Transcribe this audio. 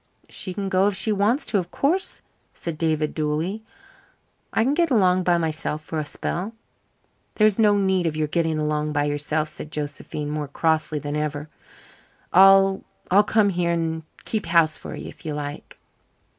"She can go if she wants to, of course," said David dully. "I can get along by myself for a spell." "There's no need of your getting along by yourself," said Josephine, more crossly than ever. "I'll I'll come here and keep house for you if you like."